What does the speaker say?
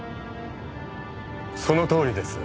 そのとおりです。